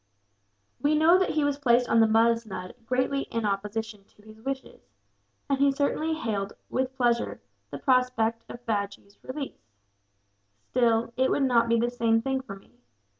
"We know that he was placed on the musnud greatly in opposition to his wishes; and he certainly hailed, with pleasure, the prospect of Bajee's release. Still, it would not be the same thing for me.